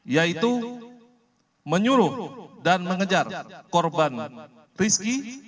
yaitu menyuruh dan mengejar korban rizky